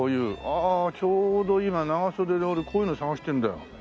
ああちょうど今長袖で俺こういうの探してるんだよ